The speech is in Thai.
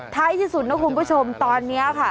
ท้ายที่สุดนะคุณผู้ชมตอนนี้ค่ะ